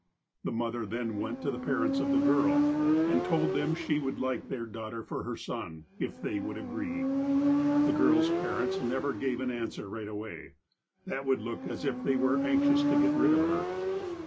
The mother then went to the parents of the girl, and told them she would like their daughter for her son, if they would agree. The girl's parents never gave an an swer right away. That would look as if they were anxious to get rid of her.